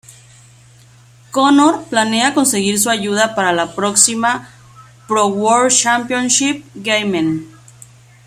Connor planea conseguir su ayuda para la próxima "Pro World Championship Gaming".